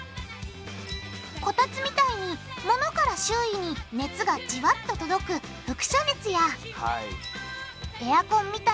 こたつみたいにものから周囲に熱がじわっと届く「輻射熱」やエアコンみたいに部屋の空気を